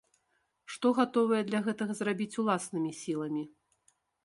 Што гатовыя для гэтага зрабіць уласнымі сіламі?